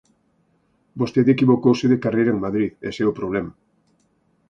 Vostede equivocouse de carreira en Madrid, ese é o problema.